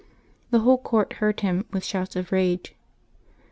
The whole court heard him with shouts of rage.